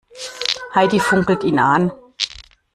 Heidi funkelt ihn an.